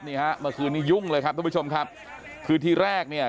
นี่ฮะเมื่อคืนนี้ยุ่งเลยครับทุกผู้ชมครับคือที่แรกเนี่ย